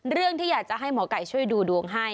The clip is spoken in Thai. เรื่องที่อยากจะให้หมอไก่ช่วยดูดวงให้